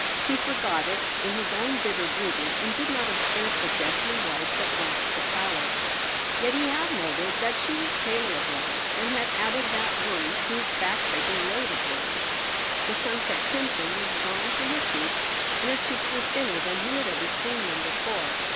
He forgot it in his own bitter brooding and did not observe the deathly white that blanched her pallor. Yet he had noted that she was paler of late and had added that worry to his backbreaking load of worries. The sunset crimson was gone from her cheeks and her cheeks were thinner than he had ever seen them before.